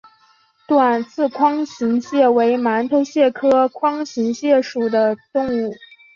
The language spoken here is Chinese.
短刺筐形蟹为馒头蟹科筐形蟹属的动物。